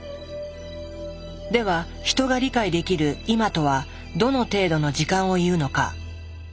ではヒトが理解できる「今」とはどの程度の時間を言うのか。